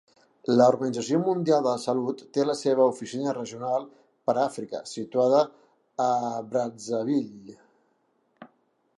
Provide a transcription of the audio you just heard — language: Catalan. L'Organització Mundial de la Salut té la seva oficina regional per Àfrica situada a Brazzaville.